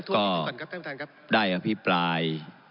ก็ได้อภิปาย